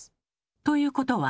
ということは。